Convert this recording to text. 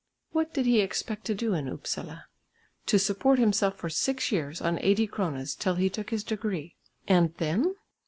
What did he expect to do in Upsala? To support himself for six years on 80 kronas till he took his degree. And then?